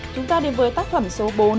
chúng ta đến với tác phẩm số bốn sốt bến vương